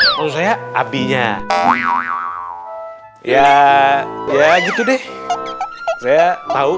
eh kalau saya abinya ya ya gitu deh saya tahu